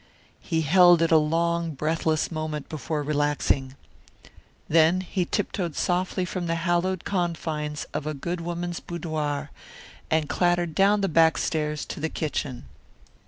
He held it a long, breathless moment before relaxing. Then he tiptoed softly from the hallowed confines of a good woman's boudoir and clattered down the back stairs to the kitchen.